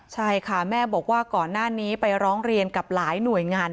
ใช่ค่ะแม่บอกว่าก่อนหน้านี้ไปร้องเรียนกับหลายหน่วยงาน